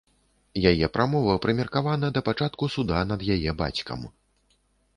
Яе прамова прымеркавана да пачатку суда над яе бацькам.